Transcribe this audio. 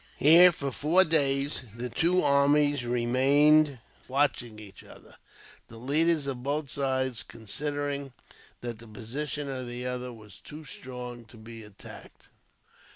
Here, for four days, the two armies remained watching each other, the leaders of both sides considering that the position of the other was too strong to be attacked.